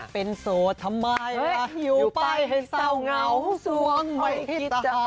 เป็นโสดทำไมอยู่ไปให้เศร้าเหงาสวงไม่คิดจะ